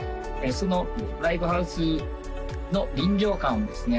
そのライブハウスの臨場感をですね